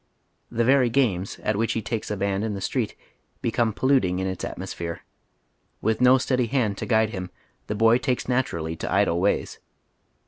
The very games at which he takes a hand in the street become polluting in its atmosphere. With no steady hand to guide him, the boy takes naturally to idle ways.